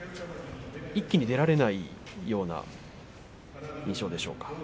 一気に出られないような印象でしょうか。